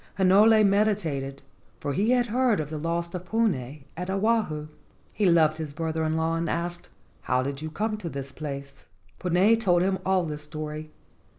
Hinole meditated, for he had heard of the loss of Puna at Oahu. He loved his brother in law, and asked, "How did you come to this place?" Puna told him all the story.